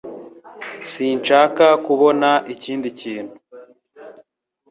Sinshaka kubona ikindi kintu